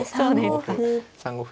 ３五歩